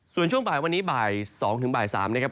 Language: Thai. ส่วนช่วงบ่ายวันนี้บ่าย๒ถึงบ่าย๓นะครับ